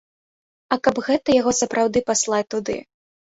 А каб гэта яго сапраўды паслаць туды.